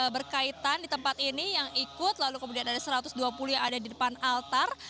berkaitan di tempat ini yang ikut lalu kemudian ada satu ratus dua puluh yang ada di depan altar